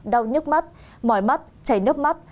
đau nhức mắt mỏi mắt chảy nước mắt